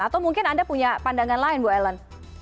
atau mungkin anda punya pandangan lain bu ellen